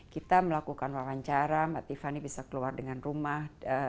kita melakukan wawancara mbak tiffany bisa keluar dengan rumah